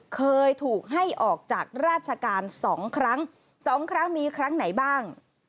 เคยถูกให้ออกจากราชการ๒ครั้ง๒ครั้งมีครั้งไหนบ้าง